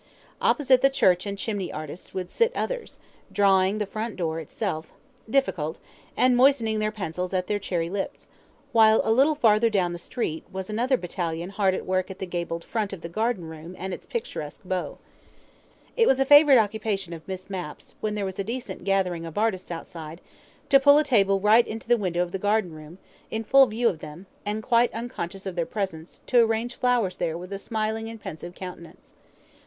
Opposite the church and chimney artists would sit others, drawing the front door itself (difficult), and moistening their pencils at their cherry lips, while a little farther down the street was another battalion hard at work at the gabled front of the garden room and its picturesque bow. It was a favourite occupation of Miss Mapp's, when there was a decent gathering of artists outside, to pull a table right into the window of the garden room, in full view of them, and, quite unconscious of their presence, to arrange flowers there with a smiling and pensive countenance.